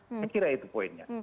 saya kira itu poinnya